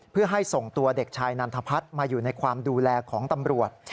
เพื่อให้ส่งตัวเด็กชายนันทพัฒน์มาอยู่ในความดูแลของตำรวจ